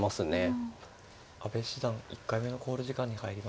阿部七段１回目の考慮時間に入りました。